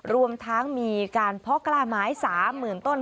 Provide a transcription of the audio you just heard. รวมทั้งมีการเพาะกล้าไม้๓๐๐๐ต้น